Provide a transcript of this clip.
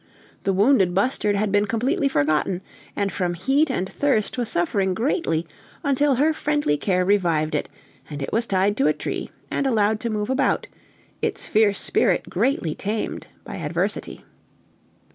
The wounded bustard had been completely forgotten, and from heat and thirst was suffering greatly until her friendly care revived it, and it was tied to a tree and allowed to move about, its fierce spirit greatly tamed by adversity.